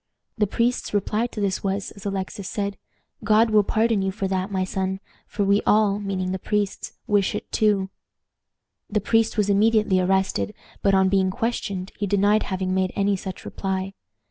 The priest's reply to this was, as Alexis said, "God will pardon you for that, my son, for we all," meaning the priests, "wish it too." The priest was immediately arrested, but, on being questioned, he denied having made any such reply.